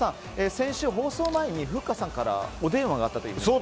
先週、放送前にふっかさんからお電話があったということで。